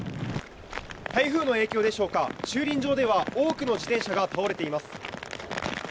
台風の影響でしょうか、駐輪場では、多くの自転車が倒れています。